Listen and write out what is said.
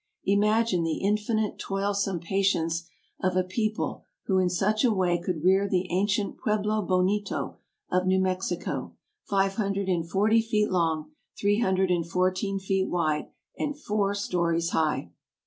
Imagine the infinite, toilsome pa tience of a people who in such a way could rear the ancient Pueblo Bonito of New Mexico, five hundred and forty feet long, three hundred and fourteen feet wide, and four stories high